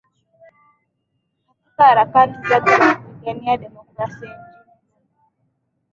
katika harakati zake za kupigania demokrasia nchini humo